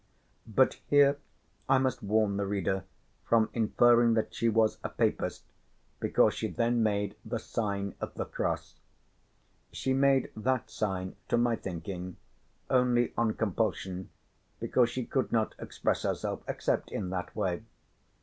But here I must warn the reader from inferring that she was a papist because she then made the sign of the cross. She made that sign to my thinking only on compulsion because she could not express herself except in that way.